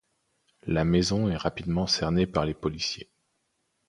La maison est rapidement cernée par les policiers.